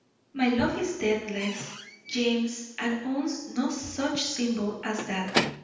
My love is deathless, James, and owns no such symbol as that.